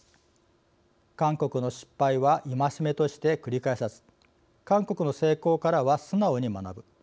韓国の失敗は戒めとして繰り返さず韓国の成功からは素直に学ぶ。